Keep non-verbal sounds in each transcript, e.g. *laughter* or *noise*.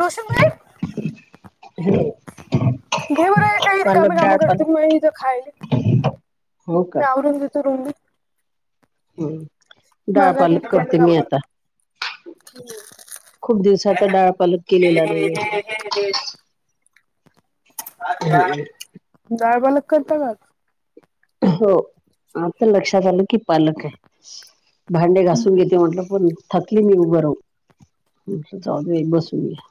रोशन मिळेल? हो घर बरं हाय का? पालक रिकामी काम डाळ करतो पालक की म्हणून इथ खायल. हो का मी आवरून घेतो रूम बी. हम, माघारी डाळपालक रिकामे करते काम मी आता. खूप दिवसाचा डाळपालक केलेला नाहीये. *inaudible* जाळबालक करत का? हो आता लक्षात आलं की पालक हाय. भांडे घासून घेते म्हटलं, पण थकली मी उभ राहून जाऊ दे बसून घ्या.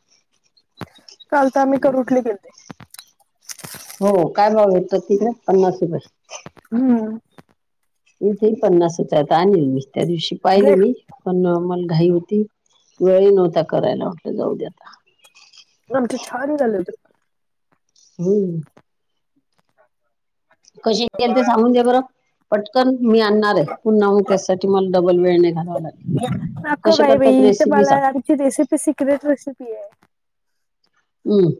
काल तर आमी करू उठले गेलते. हो काय भाव येत तिकडे? पन्नास रुपये. हम्म. मी ती पन्नासच हयात आणली मी त्या दिवशी घे पाहिली मी. पण मला घाई होती वेळ ही नव्हता करायला म्हटलं जाऊ दे आता. आमचं छान झालं होतं. हम. कसे येल ते सांगून द बरं? पटकन मी आणणार आहे, पुन्हा मग त्यासाठी मला. डबल वेळ नाही घालवायला. नको बाई बाईथ मला आमची रेसिपी सिक्रेट रेसिपी आहे. हम.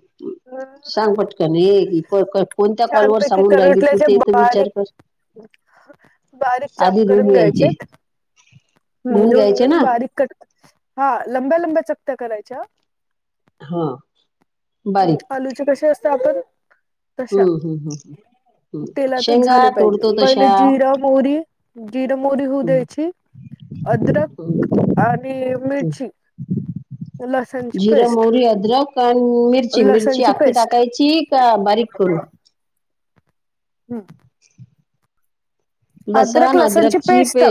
हम्म, सांग पटकन हे कोण कोणत्या कॉलवर छानपैकी सांगून राहिली होती करुटल्याचे ते तर विचार बारीक कर. बारीक चाप आधी धुऊन करून घ्यायचे घ्यायचेत. धुऊन घेऊन, घ्यायचे ना घेऊन बारीक कट हा लंब्या, लंब्या चकत्या करायच्या. हा हम्म, बारीक. आलूचे कसे असते आपण? तशा हम्म हम् हम् हम्. तेलातच झाले पाहिजे. पहिले तशा जिरं, मोरी, जिरंमोरी होऊ हम्म द्यायची. अदरक आणि मिरची. लसणची जिरं, पेस्ट मोहरी, अदरक. कारली मिरची, मिरची लसणची आखी पेस्ट टाकायची का बारीक करू? हम्. ह. अदरक-लसणाची पेस्ट,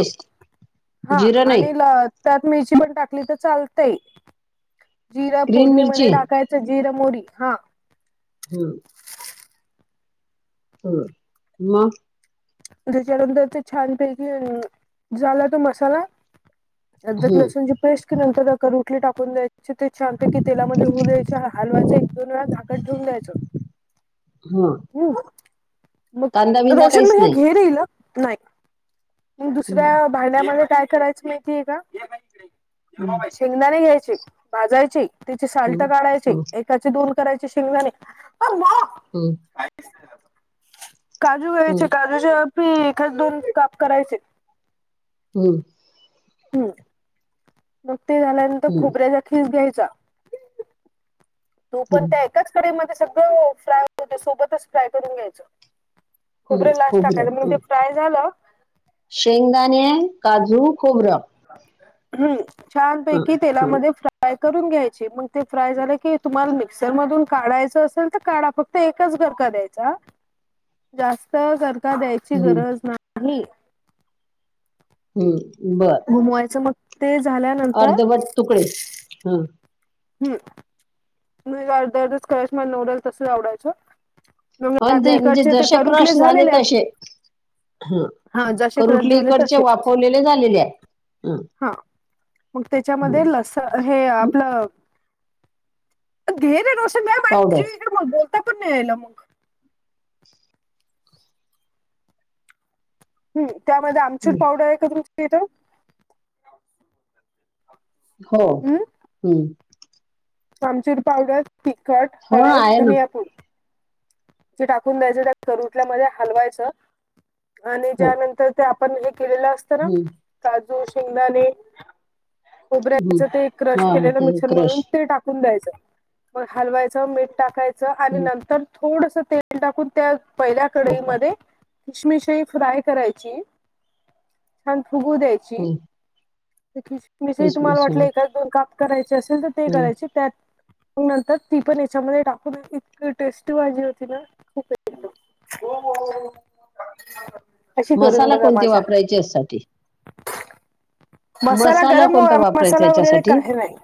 हा जिरं नाही आणि ल त्यात मिरची पण टाकली तर चालतंय? जिऱ्याच्या ग्रीन मिरची फोडणीमध्ये टाकायचं? जीरं, मोहरी, हं. हम्म. हो म. त्यानंतर ते छानपैकी झाला तो मसाला. अर्धा हम्म लसणाची पेस्ट की नंतर रुटली टाकून द्याय? ते छान तेलामध्ये होऊ द्यायचं. हलवायचं एक-दोन वेळा, झाकण ठेवून द्यायचं. हा. हं, मग रोशन काहीच म्हणतो, हे नाही. घे रे, ह्याला नाही? मग दुसऱ्या हम्म भांड्यामध्ये काय करायचं, माहितीय का? शेंगदाणे घ्यायचे, भाजायचे, त्याची सॉल्ट काढायची. त्याचे दोन करायचे, शिकणे तर मग. हम. काजू घ्यायचे, काजूचे एक-दोन काप करायचे. हम्म. हम्म, मग ते झाल्यानंतर खोबऱ्याचा खीस घ्यायचा. तू पण त्या एकाच कढईमध्ये सगळं फ्राय हो, सोबतच फ्राय करून घ्यायचं. खोबरे लास्ट टाकायचं, मग ते फ्राय झालं. शेंगदाणे, काजू, खोबरं. हम्म, ह छानपैकी तेलामध्ये फ्राय. फ्राय करून घ्यायचं. मग ते फ्राय झालं की तुम्हाला मिक्सरमधून काढायचं असेल तर काढा, फक्त. फक्त तर एकच घर का द्यायचा? जास्त खरकर द्यायची गरज हम्म नाही. हम्म बरं. मोयच मग ते झाल्यानंतर हम्म. हम्म, दरदिवशी करायचं मला, नोडल तसं आवडायचं. मग आता म्हणजे इकडचे तर जसे तुरटले क्रश झाले झालेलेत. तसे ह हा, जसे करत करुटले झाले इकडचे तसेच वाफवलेले झालेले आहे ह हा. मग त्याच्यामध्ये लसूण आपलं गेरे रो पावडर. मग बोलता पण नाही यायला मग. हम्म, त्यामध्ये आमचूर पावडर आहे का तुमच्याकडे? हो हम्म हम्म. आमचूर पावडर, तिखट, हो ना हळद, आहे ना धणेपूड. जे टाकून द्यायचं त्या करटल्यामध्ये, हलवायचं आणि त्यानंतर ते आपण हे केलेलं असतं ना, ह काजू, शेंगदाणे. खोबऱ्याचं ते क्रश हा केलेलं ते क्रश मिक्सरमधून ते टाक. ून द्यायचं. मग हलवायचं, मीठ टाकायचं. आणि नंतर थोडस तेल टाकून, त्या पहिल्या कडईमध्ये किशमिशई फ्राय करायची. छान फुगू द्यायची. खीशमिशई तुम्हाला किसमिस वाटले एखाद दोन काप करायचे असेल, तर ते करायचे. त्यात नंतर ती पण याच्यामध्ये टाकून इतकी टेस्ट टी भाजी होती ना. खूपच एकदम. *inaudible* अशी करून मसाला बघा. कोणते माझ्या वापरायचे यासाठी मसाला गरम व कोणता वापरायचा मसाला वगैरे याच्यासाठी काही नाही.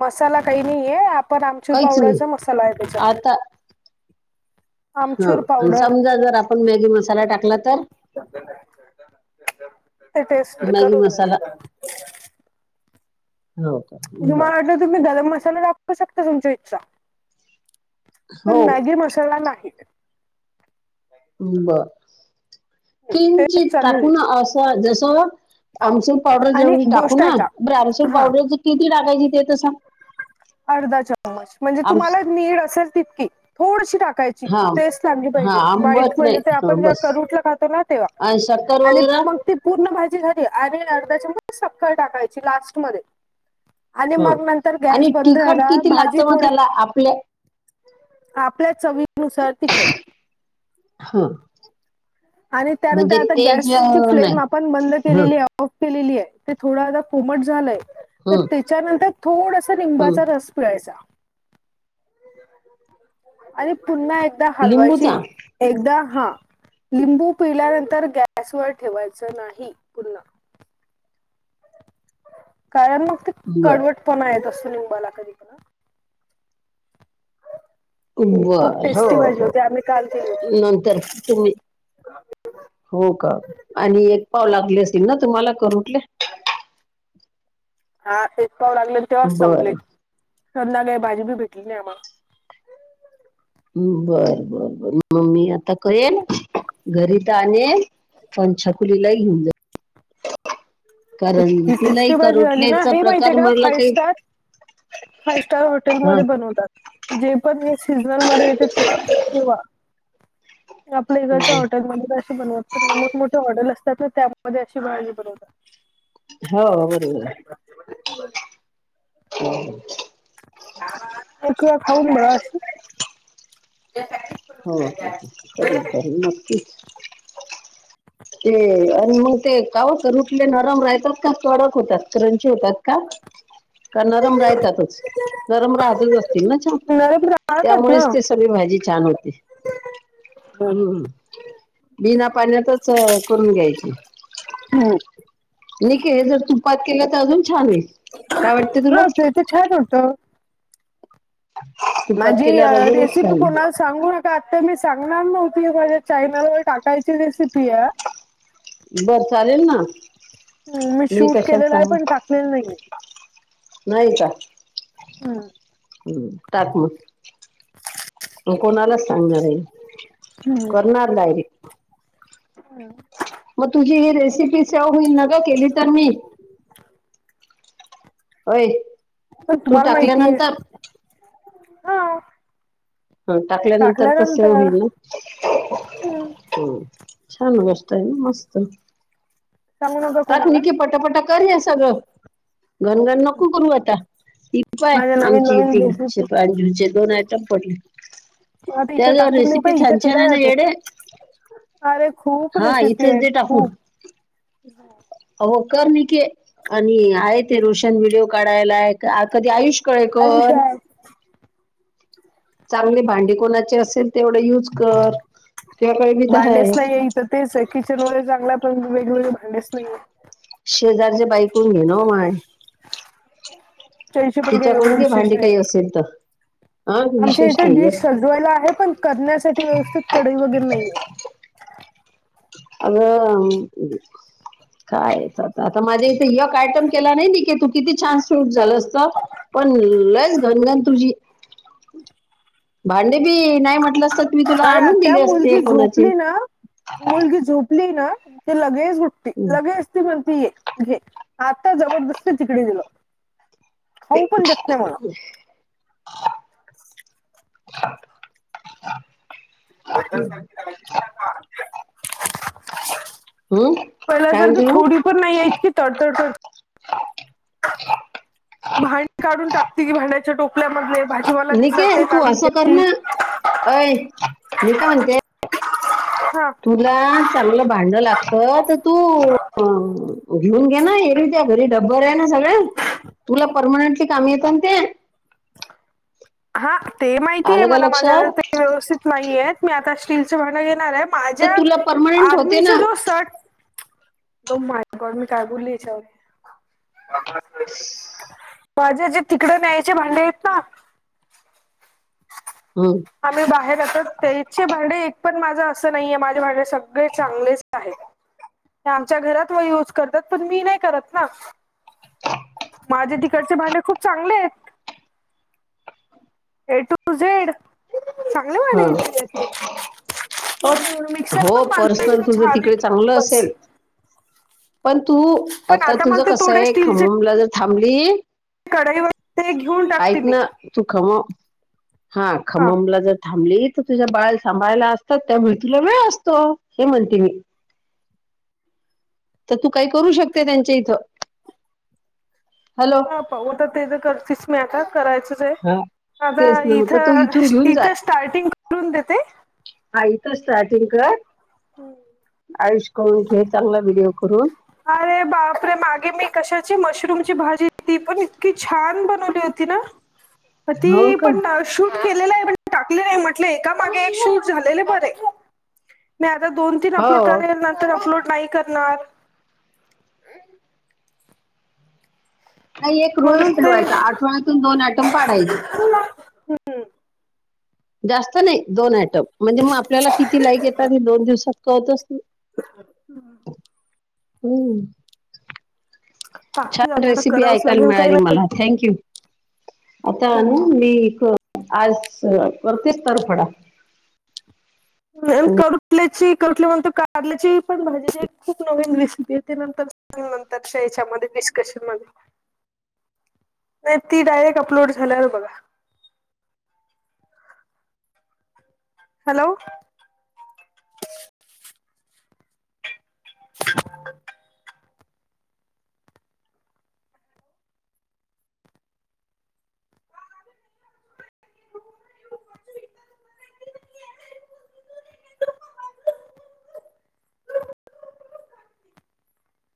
मसाला काही नाहीये. आप पण आमचूर काहीच नाही पावडरचा मसालाय त्याच्यात. आता हा आमचूर आणि पावडर. समजा जर आपण मॅगी मसाला टाकला तर? ते टेस्ट मॅगी बिखरुन जाईल. मसाला हो का म्हणजे बर मला वाटलं तुम्ही गरम मसाला टाखू शकता. तुमच्या इच्छा. पण हो मॅगी मसाला नाहीत. बर. टेस्ट किंचित चालू टाकुण अस जस आमचुर पावडर आणि जवडी टाकू गोष्ट आहे ना, का बर आमचुर हा पावडर किती टाकायची ते तर सांग? अर्धा चमच. म्हणजे आम तुम्हाला नीड असेल तितकी. थोडशी टाक कायची हा टेस्ट लागली हा पाहिजे. बाईट आंबट म्हणजे नाही ते हा आपण जे बस करूटला खातो ना तेव्हा. आणि शक्कर आणि वगैरे मग ते पूर्ण भाजी झाली. आणि अर्धा चमच सखर टाकायची. लास्ट मध्ये. आणि हा मग नतंर गॅस आणि बंद तिखट झाला. किती भाजी लागतं मग थोडी त्याला आपल्या आपल्या चवीनुसार तिखट. ह. आणि त्यानंतर म्हणजे आता तेज गॅसची फ्लेम नाही आपण बंद ह केलेली आ ऑफ केलेलीये. ते थोडा कोमट झालंय. त ह तिच्याच्यानंतर थोडसा ह निंबाचा रस पिळायचा. आणि पुन्हा एकदा हालवायची. लिंबूचा एकदा हा. लिंबू पिल्यानंतर गॅसवर ठेवायचं नाही पुन्हा. कारण मग ते बर कडवट पना येत असतो लिंबाला कधीपुन्हा. बर. हो हो. आम्ही काल केली होती नंतर तुम्ही हो का? आणि एक पाव लागले असतील ना तुम्हाला करूठले? हा एक पाव लागले तेव्हाच बर संपले. सध्यांकाळी भाजी बी भेटली नाही आम्हाला. बर बर बर म मी आता करेल. घरी त आणेल. पण छकुलीलाही घेवुन जाईल. कारण इतकी तिलाही टेस्टी भाजी झाली ना करोटल्याचा हे माहितीये प्रकार म्हणलं काही फाईव स्टार हा हॉटेलमध्ये बनवतात. जे पण हे सीजनल मध्ये येते ते. तेव्हा. आपल्या इकडच्या हं. हॉटेलमध्ये कशी बनवत मोठमोठे हॉटेल असतात ना, त्यामध्ये अशी भाजी बनवतात. हो बरोबरे. *unintelligible* *inaudible* *inaudible* एक वेळा खाऊन बघ असशी *inaudible* *inaudible* हो हो हो. करील- करील. नक्कीच. ते आणि मग ते काव करुटले नरम राहतात का? कडक होतात? क्रंची होतात का? का नरम राहतातच. नरम राहतच असतील ना छान? नरम राहतात ना. त्यामुळेच तेच सगळी भाजी छान होती बिना पाण्यातच सवय करून घ्यायची. हम्म. निके जर तुपात केलं तर अजून छान होईल. काय वाटते हो तुला? ते तर छान होत. तुपात माझी केल्यावर अजूनच छान रेसिपी होईल. कोणाच सांगू नका आता मी सांगणार नव्हती माझ्या चायनलवर टाकायची रेसिपी आहे हा. बर चालेल ना. हम्म मी शूट कशाला केलेलं आहे सांगू पण टाकलेलं नाहीये. नाही का? हम्म. हम्म टाक मग. मग कोणालाच सांगणार नाही करणार डायरेक्ट. हम्म. मग तुझी ही रेसिपी सेव होईल ना गं केली तर मी? होय तू टाकल्यानंतर? हां. हं टाकल्यानंतर चा सेव होईल ना? हम्म, हम्म छान गोष्ट हाय ना मस्त. सांगू नका कोणाला. टाकले की पटापटा कर हे सगळं. घनघन नको करू आता ती माझ्या *unintelligible* नवीन नवीन रेसिपी अजंलीचे दोन आयटम पडले. आता इथे त्यावर टाकून रेसिपी छान छान आहे ना येडे. आरे खूप हा रेसिपी इथंच आहेत दे खूप. हों कर नि केे आणि आहेत. ते रोशन व्हिडिओ काढयलाय आं कधी आयुष आयुष कळेकर. आहे. चांगली भांडी कोणाचे असेल तेवढं युज भांडेच *unintelligible* तर तेच आहे किचन वगैर चांगला, पण वेगवेगळे भांडेच नाहीये. शेजारचे बाई कडून घे ना माय. त्यांची पण घे एवढे विशेष नाहीयें. ते तर हा आमच्या विशेष इथे डिश नाहीये सजवायला आहे पण करण्यासाठी व्यवस्थित कढई वगैरे नाहीये. अंग काय येतात. आता माझ्या इथे य काय आयटम केला नाही निके की तू किती छान शूट झालं असत. पण लयच घनघन तुझी भांडी बी नाय अरे आत्या मुलगी कोणाचे झोपली ना मुलगी झोप ली ना ते लगेच उठती लगेच. ती म्हणती ये घे आता जबरदस्ती तिकडी गेलो. खाऊ पण देत नायी मला. *inaudible* *inaudible* हम्म. काय पहिल्यासारखी थोडी म्हणते पण नाहीये इतकी तडतड तड भांडी काढून टाकते की भांड्याच्या टोप आपल्या मधले भाजी वाला दिसल ते निकेत तू काढून असं कर फेकती ना अय मी काय म्हणते *inaudible* हां तुला चांगलं भांड लागत तर तूं अं घेऊन घे ना येगळी त्या घरी डब्बर आहे ना सगळे तुला पर्मनन्टली काम येतं नां ते. हां ते माहितीये आलं का मला माझ्याकडे लक्षात ते व्यवस्थित नाहीयेत मी आता स्टीलचे भांडं घेणार आहेत तर माझ्या तुला परमनंट होते ना आर्मीचा जो सट ओ माय गॉड! मी काय बोलली याच्यावर माझे जे तिकडें न्यायचे भांडेयेंत ना हुं आम्ही बाहेर राहतात त्याचे भांडे एक पण माझं असं नाहीये माझे भांडे सगळे चांगलेच आहेत. हे आमच्या घरात यूज करतात पण मी नाही करत ना. माझे तिकडचे भांडे खूप चांगलेयेंत ए टू झेड चांगले वाडे हा घेतली आहेत हो मी *inaudible* मिक्सर हो पण पर्सनल माजता तुझं छान तिकडे की चांगलं खूपच असेल *inaudible* पण तू पण आता तुझ मला ते थोडे कसंय स्टीलचे खममला जर थांबली कढईवर ते घेऊन टाकते ऐक मी. ना तू खम हा खममला जर थांबली तर तुझ्या बाळाला सांभाळला असतात त्या त्यामुळे तुला वेळ असतो हे म्हणते मी. तर तू काही करू शकते त्यांच्या इथं हॅलो हा पाहू तर ते तर करतेच म्या तर करायचच हाय. हा आता तेच ना तर तो इथं, इथून घेऊन जाय इथं स्टार्टिंग करून देते. हा इथं स्टार्टिंग कर हम *unintelligible* ऐश करून घे, चांगला व्हिडिओ करून अरे बापरे मागे मी कशाची मशरूमची भाजी ती पण इतकी छान बनवली होती ना. ह *unintelligible* ती पण शूट केलेलयं पण टाकले म्हंटले एका मागे एक शूट झालेले बरे मी आता दोन तीन अपलोड हो करेल नंतर अपलोड नाही करणार. हम् *unintelligible* नाही एक रूल्स म्हणून ते ठेवायचा आठवड्यातून दोन ऍटम पाडायचे. जास्त नाही दोन आयटम म्हणजे मग आपल्याला किती लाईक येतात हे दोन दिवसात कळतच हम् *unintelligible* होम *unintelligible* टाकते छान आता आता रेसिपी करावंच ऐकायला लागेल काही मिळाली नाही मला, थँंक यू आता ना हम्म. मी एक आज परतीच तरफडा करुटल्याची करुटली म्हणतो कारल्याची पण भाजीची खूप नवीन रेसिपी आहे ते नंतर पण नंतरच्या याच्यामध्ये डिस्कशन मध्ये. ह *unintelligible* नाही ती डायरेक्ट अपलोड झाल्यावर बघा. हॅलो. *unintelligible* ह *unintelligible* ह *unintelligible*